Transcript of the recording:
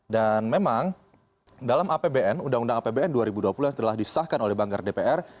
dan memang dalam undang undang apbn dua ribu dua puluh yang setelah disahkan oleh banggar dpr